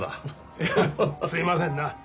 いやすいませんな。